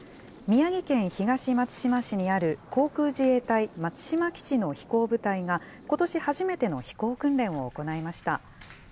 宮城県東松島市にある航空自衛隊松島基地の飛行部隊が、ことし初めての飛行訓練を行いました。